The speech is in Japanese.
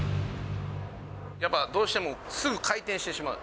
やっぱどうしてもすぐ回転してしまう。